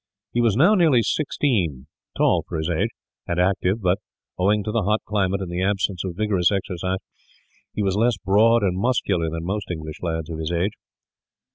He was now nearly sixteen, tall for his age, and active but, owing to the hot climate and the absence of vigorous exercise, he was less broad and muscular than most English lads of his age.